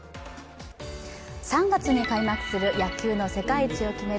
３月に開幕する野球の世界一を決める